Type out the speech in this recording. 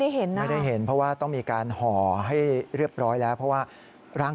เห็นนะไม่ได้เห็นเพราะว่าต้องมีการห่อให้เรียบร้อยแล้วเพราะว่าร่าง